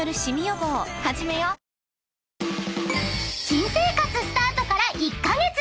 ［新生活スタートから１カ月。